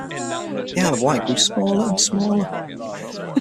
The Isle of Wight grew smaller and smaller.